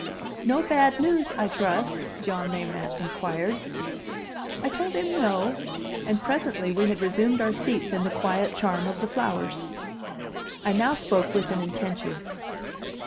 "No bad news, I trust?" John Mayrant inquired. I told him no; and presently we had resumed our seats in the quiet charm of the flowers. I now spoke with an intention.